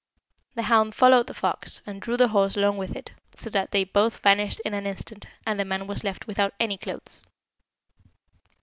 The hound followed the fox, and drew the horse along with it, so that they both vanished in an instant, and the man was left without any clothes.